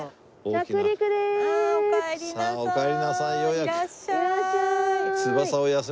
さあおかえりなさいようやく。